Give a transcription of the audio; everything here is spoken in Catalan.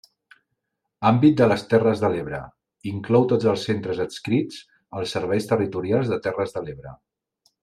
Àmbit de les Terres de l'Ebre: inclou tots els centres adscrits als Serveis Territorials de Terres de l'Ebre.